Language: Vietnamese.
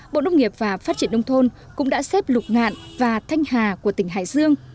bộ nông nghiệp và phát triển nông thôn cũng đã xếp lục ngạn và thanh hà của tỉnh hải dương